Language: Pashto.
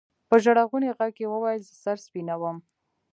په ژړغوني ږغ يې ويل زه سر سپينومه.